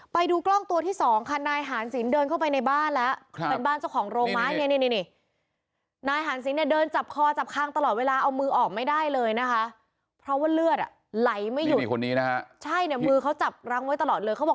ไปดูกล้องตัวที่๒ค่ะนายฮันเซ็นซินเดินเข้าไปในบ้านแล้ว